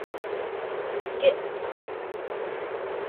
جئت